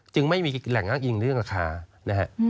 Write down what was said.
ไม่มีแหล่งอ้างอิงเรื่องราคานะฮะ